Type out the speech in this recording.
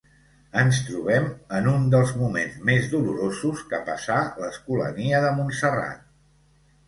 Ens trobem en un dels moments més dolorosos que passà l'Escolania de Montserrat.